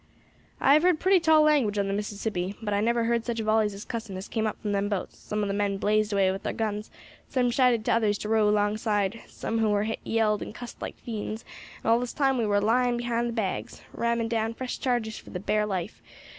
"I have heard pretty tall language on the Mississippi, but I never heard such volleys of cussing as came up from them boats; some of the men blazed away with thar guns, some shouted to others to row alongside, some who war hit yelled and cussed like fiends; and all this time we war lying behind the bags, ramming down fresh charges for the bare life.